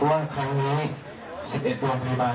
ว่าครั้งนี้๑๑โรงพยาบาล